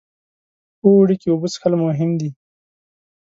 په اوړي کې اوبه څښل مهم دي.